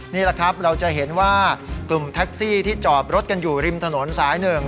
นี่แหละครับเราจะเห็นว่ากลุ่มแท็กซี่ที่จอดรถกันอยู่ริมถนนสาย๑